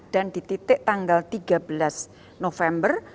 dan di titik tanggal tiga belas november